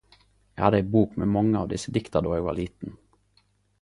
Eg hadde ei bok med mange av desse dikta då eg var liten.